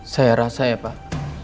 saya rasa ya pak